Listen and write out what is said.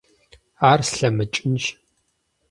Ар слъэмыкӀынщ…